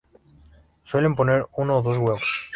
Suelen poner uno o dos huevos.